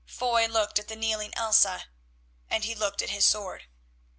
Foy looked at the kneeling Elsa, and he looked at his sword.